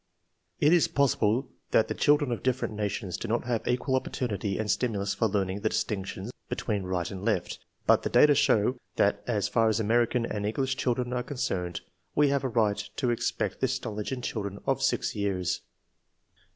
It is possible that the children of different nations do not have equal opportunity and stimulus for learning the dis tinction between right and left, but the data show that as fat as American and English children are concerned we have a right to expect this knowledge in children of 6 years.